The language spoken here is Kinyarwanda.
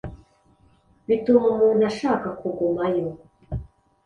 Bituma umuntu ashaka kugumayo